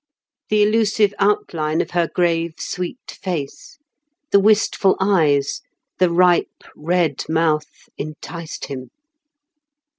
The elusive outline of her grave sweet face, the wistful eyes, the ripe red mouth enticed him.